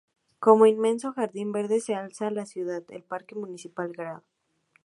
Como un inmenso jardín verde se alza en la ciudad, el Parque Municipal Gral.